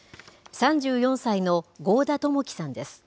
３４歳の合田朝輝さんです。